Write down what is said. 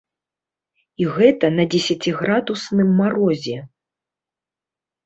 І гэта на дзесяціградусным марозе.